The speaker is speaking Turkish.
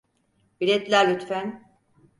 Biletler lütfen.